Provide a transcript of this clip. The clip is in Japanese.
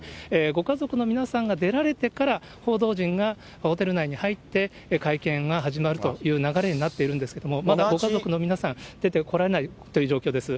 ご家族の皆さんが出られてから、報道陣がホテル内に入って、会見が始まるという流れになってるんですけれども、まだご家族の皆さん、出てこられないという状況です。